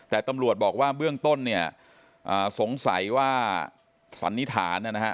แต่ตำรวจบอกว่าเบื้องต้นเนี่ยสงสัยว่าสันนิษฐานนะฮะ